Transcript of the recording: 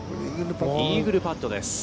イーグルパットです。